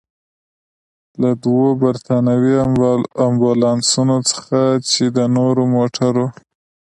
له دوو برتانوي امبولانسونو څخه، چې د نورو موټرو.